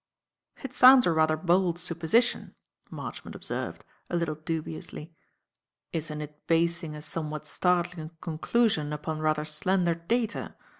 "It sounds a rather bold supposition," Marchmont observed, a little dubiously. "Isn't it basing a somewhat startling conclusion upon rather slender data?